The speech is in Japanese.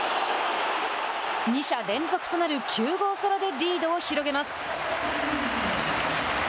２者連続となる９号ソロでリードを広げます。